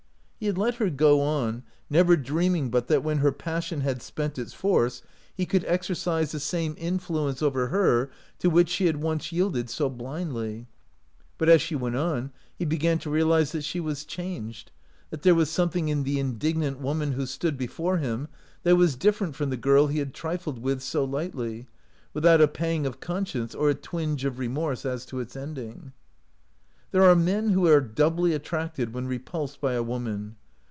He had let her go on, never dreaming but that when her passion had spent its force he H3 OUT OF BOHEMIA could exercise the same influence over her to which she had once yielded so blindly; but as she went on he began to realize that she was changed, that there was something in the indignant woman who stood before him that was different from the girl he had trifled with so lightly, without a pang of conscience or a twinge of remorse as to its ending. There are men who are doubly attracted when repulsed by a woman.